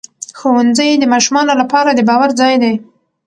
ښوونځی د ماشومانو لپاره د باور ځای دی